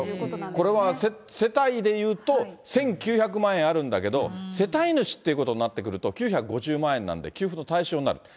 これは、世帯でいうと、１９００万円あるんだけれども、世帯主っていうことになってくると、９５０万円なので、給付の対象になる。